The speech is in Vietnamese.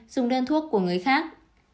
hai dùng đơn thuốc của người khác